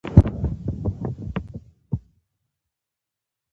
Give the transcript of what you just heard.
تل د خپلو خلکو تر څنګ ودریږی